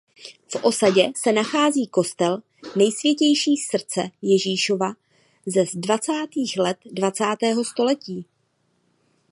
V osadě se nachází kostel Nejsvětějšího Srdce Ježíšova ze dvacátých let dvacátého století.